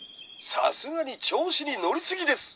「さすがに調子に乗りすぎです！